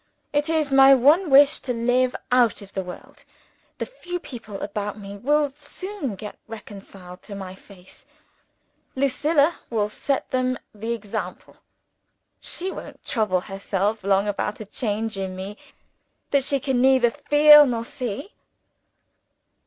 It is my one wish to live out of the world. The few people about me will soon get reconciled to my face. Lucilla will set them the example. She won't trouble herself long about a change in me that she can neither feel nor see."